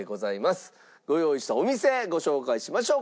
ご用意したお店ご紹介しましょう。